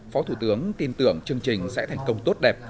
phó thủ tướng tin tưởng chương trình sẽ thành công tốt đẹp